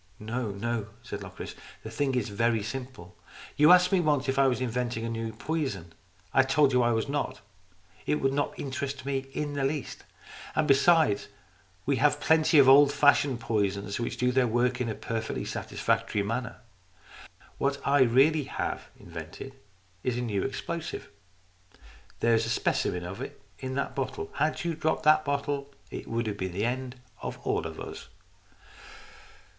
" "No, no," said Locris. "The thing is very simple. You asked me once if I was inventing a new poison. I told you that I was not. It would not interest me in the least. And besides, we have plenty of the old fashioned poisons which do their work in a perfectly satisfactory manner. What I really have invented is a new explosive. There is a specimen of it in that bottle. Had you dropped the bottle, it would have been the end of all of us."